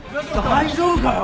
大丈夫かよ？